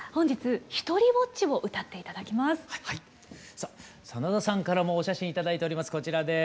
さあ真田さんからもお写真頂いております